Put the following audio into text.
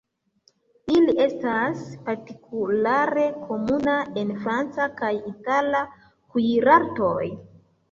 Ili estas partikulare komuna en franca kaj itala kuirartoj.